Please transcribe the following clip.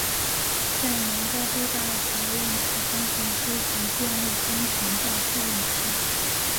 在南加州大学任职工程师及电力工程教授一职。